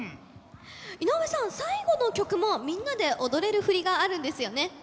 井上さん最後の曲もみんなで踊れる振りがあるんですよね？